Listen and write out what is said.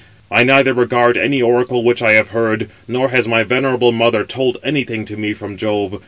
I neither regard any oracle which I have heard, nor has my venerable mother told anything to me from Jove.